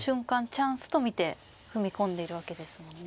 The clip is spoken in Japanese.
チャンスと見て踏み込んでいるわけですもんね。